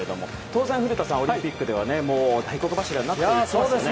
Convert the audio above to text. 古田さん、当然オリンピックでは大黒柱になってもらいたいですね。